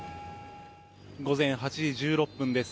午前８時１６分です。